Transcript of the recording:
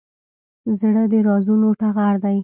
زړه د رازونو ټغر دی.